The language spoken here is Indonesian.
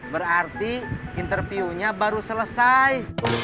berarti interviewnya baru selesai